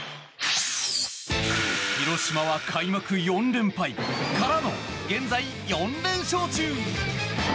広島は開幕４連敗からの現在４連勝中。